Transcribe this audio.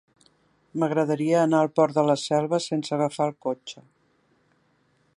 M'agradaria anar al Port de la Selva sense agafar el cotxe.